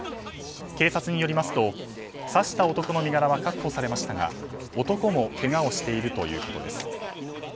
警察によりますと刺した男の身柄は確保されましたが男もけがをしているということです。